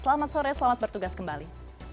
selamat sore selamat bertugas kembali